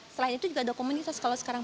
selain itu juga ada komunitas